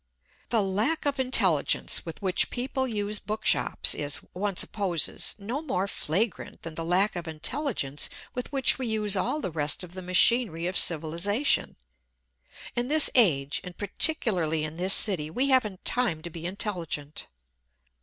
The lack of intelligence with which people use bookshops is, one supposes, no more flagrant than the lack of intelligence with which we use all the rest of the machinery of civilization. In this age, and particularly in this city, we haven't time to be intelligent.